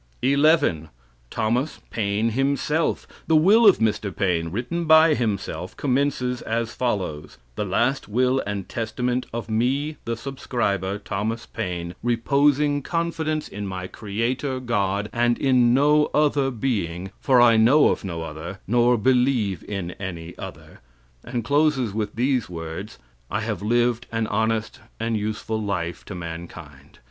11. Thomas Paine himself. The will of Mr. Paine, written by himself, commences as follows: "The last will and testament of me, the subscriber, Thomas Paine, reposing confidence in my Creator, God, and in no other being, for I know of no other, nor believe in any other," and closes with these words: "I have lived an honest and useful life to mankind.